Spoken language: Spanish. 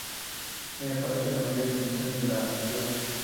Es el palacio de mayores dimensiones de la ciudad.